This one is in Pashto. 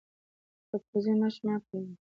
په پوزې مچ مه پرېږده